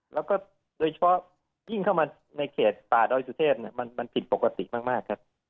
แล้วก็โดยเฉพาะยิ่งเข้ามาในเขตป่าดอยสุเทพมันผิดปกติมากครับ